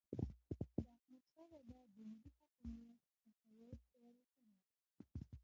د احمد شاه بابا د ملي حاکمیت تصور پیاوړی کړ.